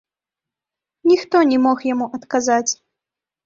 Ніхто не мог яму адказаць.